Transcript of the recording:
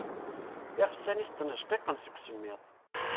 Iɣsan-is ttnejqiqen seg usemmiḍ.